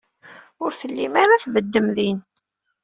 Ur tellim ara tbeddem din.